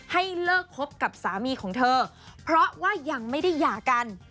ให้เลิกคบกับสามีของเธอเพราะว่ายังไม่ได้หย่ากัน